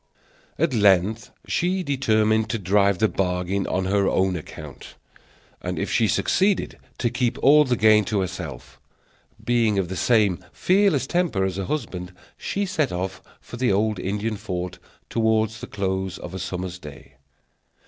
At length she determined to drive the bargain on her own account, and, if she succeeded, to keep all the gain to herself. Being of the same fearless temper as her husband, she set off for the old Indian fort toward the close of a summer's day.